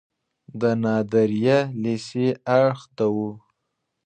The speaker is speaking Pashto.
د نادریه لیسې اړخ ته و.